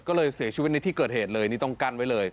ก็เลยเสียชีวิตในที่เกิดเหตุเลยนี่ต้องกั้นไว้เลย